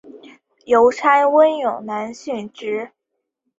邮差温勇男殉职。